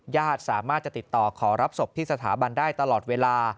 ญาติสามารถจะติดต่อขอรับศพที่สถาบันได้ตลอดเวลา